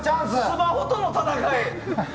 スマホとの闘い。